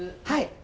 はい。